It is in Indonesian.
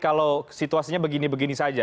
kalau situasinya begini begini saja